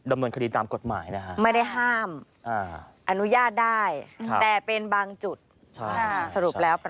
ดำเนินคดีฝากตามกฎหมายนะครับ